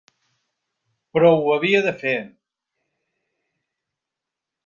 Però ho havia de fer.